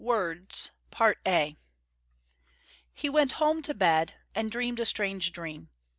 WORDS He went home to bed: and dreamed a strange dream.